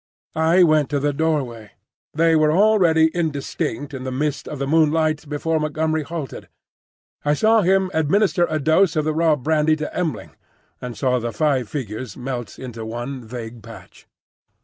I went to the doorway. They were already indistinct in the mist of the moonlight before Montgomery halted. I saw him administer a dose of the raw brandy to M'ling, and saw the five figures melt into one vague patch.